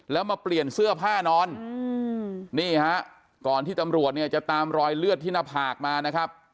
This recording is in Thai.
แล้วมาเปลี่ยนเสื้อผ้านอนนี่ฮะก่อนที่ตำรวจเนี่ยจะตามรอยเลือดที่หน้าผากมานะครับ